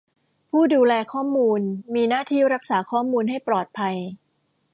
ผู้ดูแลข้อมูลมีหน้าที่รักษาข้อมูลให้ปลอดภัย